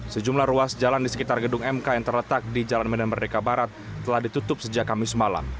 sejumlah ruas jalan di sekitar gedung mk yang terletak di jalan medan merdeka barat telah ditutup sejak kamis malam